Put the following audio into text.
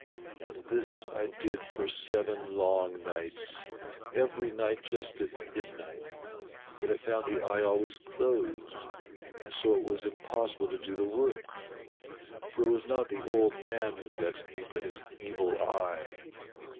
And this I did for seven long nights — every night just at mid night— but I found the eye always closed ; and so it was impossible to do the work ; for it was not the old man who vexed me, but his Evil Eye.